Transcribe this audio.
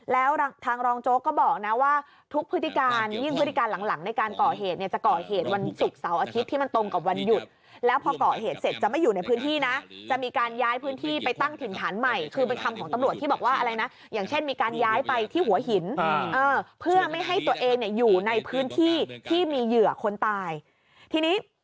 แล้วทางรองโจ๊กก็บอกนะว่าทุกพฤติการยิ่งพฤติการหลังหลังในการก่อเหตุเนี่ยจะก่อเหตุวันศุกร์เสาร์อาทิตย์ที่มันตรงกับวันหยุดแล้วพอก่อเหตุเสร็จจะไม่อยู่ในพื้นที่นะจะมีการย้ายพื้นที่ไปตั้งถิ่นฐานใหม่คือเป็นคำของตำรวจที่บอกว่าอะไรนะอย่างเช่นมีการย้ายไปที่หัวหินเพื่อไม่ให้ตัวเองเนี่ยอยู่ในพื้นที่ที่มีเหยื่อคนตายทีนี้